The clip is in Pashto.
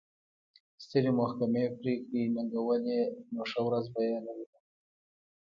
سترې محکمې پرېکړې ننګولې نو ښه ورځ به یې نه لیدله.